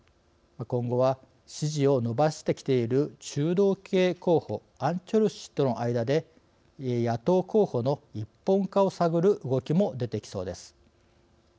今後は支持を伸ばしてきている中道系候補アン・チョルス氏との間で野党候補の一本化を探る動きも出てきそうです。